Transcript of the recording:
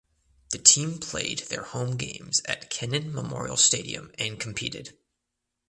The team played their home games at Kenan Memorial Stadium and competed.